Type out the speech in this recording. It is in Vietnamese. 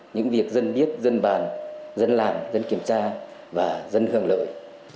những việc dân biết dân bàn dân làm dân kiểm tra và dân hưởng lợi